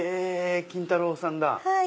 金太郎さんだ！